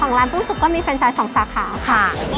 ของร้านปลื้มสุโกยมีเฟรนชาย๒สาขาค่ะ